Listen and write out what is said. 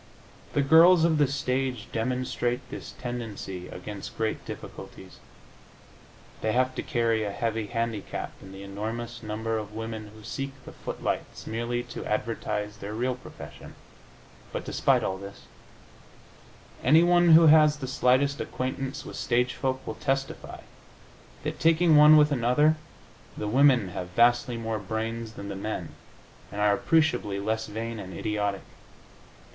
The girls of the stage demonstrate this tendency against great difficulties. They have to carry a heavy handicap in the enormous number of women who seek the footlights merely to advertise their real profession, but despite all this, anyone who has the slightest acquaintance with stagefolk will testify that, taking one with another, the women have vastly more brains than the men and are appreciably less vain and idiotic.